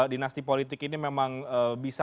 dinasti politik ini memang bisa